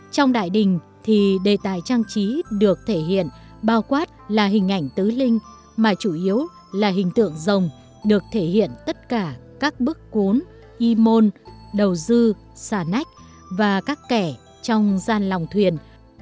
trong đại đình thì đề tài trang trí được thể hiện bao quát là hình ảnh tứ linh mà chủ yếu là hình tượng rồng được thể hiện tất cả các bức cuốn y môn đầu dư xà nách và các kẻ trong gian lòng thuyền